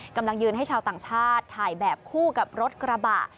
กำลังยืนให้ชาวต่างชาติถ่ายแบบคู่กับรถกระบะ